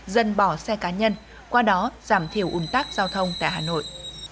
dân bỏ xe cá nhân qua đó giảm thiểu ủng tác giao thông tại hà nội